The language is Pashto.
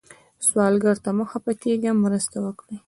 سوالګر ته مه خفه کېږئ، مرسته وکړئ